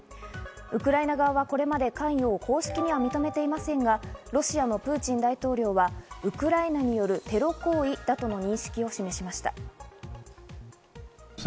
ウクライナ側はこれまで関与を公式には認めていませんが、ロシアのプーチン大統領はウクライナによるテロ行為だとの認識を示しました。